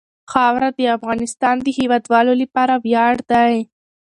خاوره د افغانستان د هیوادوالو لپاره ویاړ دی.